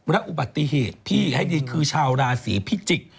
และอุบัติเหตุพี่ให้ดีคือชาวราศีพิจิกษ์